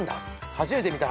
初めて見た。